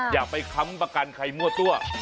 อย่าไปค้ำประกันใครมั่วตัว